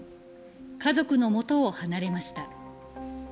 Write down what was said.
家族の元を離れました。